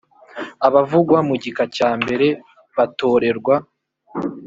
abavugwa mu gika cya mbere batorerwa